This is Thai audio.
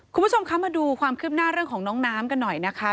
คุณผู้ชมคะมาดูความคืบหน้าเรื่องของน้องน้ำกันหน่อยนะคะ